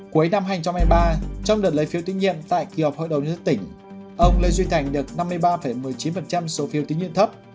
cuối năm hai nghìn hai mươi ba trong đợt lấy phiếu tín nhiệm tại kỳ họp hội đồng nhân tỉnh ông lê duy thành được năm mươi ba một mươi chín số phiếu tín nhiệm thấp